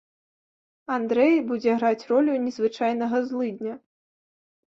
Андрэй будзе граць ролю незвычайнага злыдня.